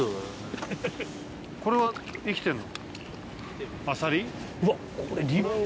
これは生きてるの？